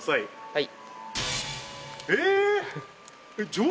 はい。